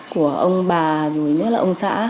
của ông bà dù ý nữa là ông xã